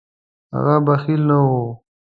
هغه بخیل نه و.